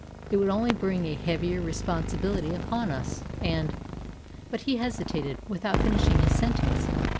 It would only bring a heavier responsibility upon us and " But he hesitated, without finishing his sentence.